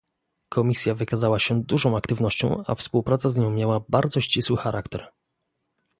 Komisja wykazała się dużą aktywnością, a współpraca z nią miała bardzo ścisły charakter